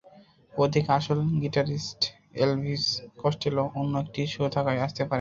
ওদিকে আসল guitarist Elvis Costello অন্য একটা শো থাকায় আসতে পারেননি।